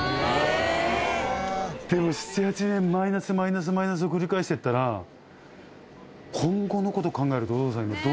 でも７８年マイナスマイナスマイナスを繰り返していったら今後の事考えるとどうされます？